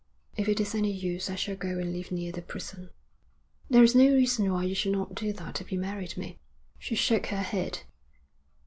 If it is any use I shall go and live near the prison.' 'There is no reason why you should not do that if you married me.' She shook her head.